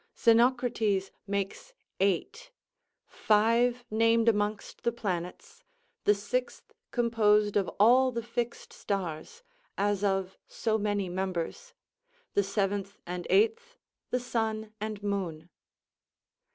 Zenocrates makes eight, five named amongst the planets; the sixth composed of all the fixed stars, as of so many members; the seventh and eighth, the sun and moon.